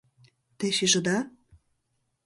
Те шижыда?